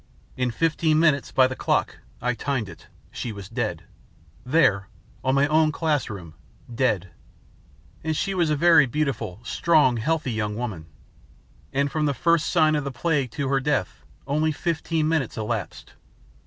In fifteen minutes, by the clock I timed it she was dead, there, in my own classroom, dead. And she was a very beautiful, strong, healthy young woman. And from the first sign of the plague to her death only fifteen minutes elapsed.